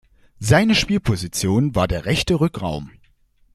Seine Spielposition war der rechte Rückraum.